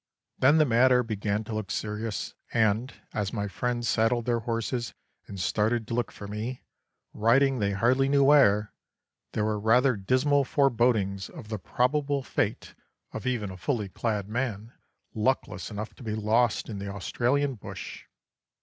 Then the matter began to look serious, and, as my friends saddled their horses and started to look for me, riding they hardly knew where, there were rather dismal forebodings of the probable fate of even a fully clad man luckless enough to be lost in the Australian bush.